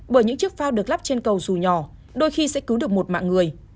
bởi những chiếc phao được lắp trên cầu dù nhỏ đôi khi sẽ cứu được một mạng người